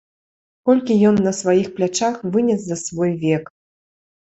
Колькі ён на сваіх плячах вынес за свой век.